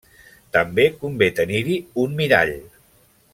També convé tenir-hi un mirall.